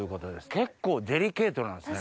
結構デリケートなんですね。